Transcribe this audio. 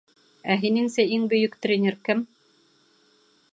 — Ә һинеңсә иң бөйөк тренер кем?